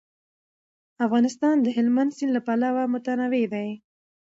افغانستان د هلمند سیند له پلوه متنوع دی.